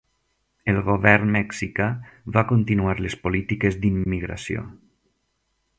El Govern mexicà va continuar les polítiques d'immigració.